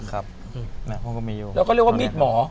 แล้วก็เรียกว่ามีดหมอ